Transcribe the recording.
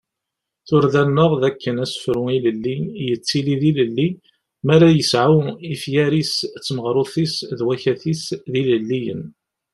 Turda-nneɣ d akken asefru ilelli yettili d ilelli mi ara ad yesɛu ifyar-is d tmaɣrut-is d wakat-is d ilelliyen.